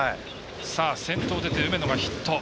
先頭出て、梅野がヒット。